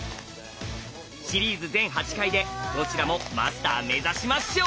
シリーズ全８回でどちらもマスター目指しましょう！